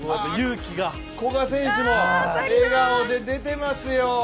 古賀選手も笑顔で出てますよ。